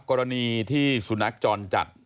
กรณีที่สุนัขจรจัด